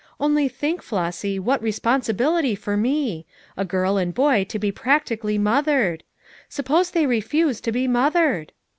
Only think, Flossy, what respon sibility for me; a girl and boy to be practically mothered! Suppose they refuse to be moth ered?"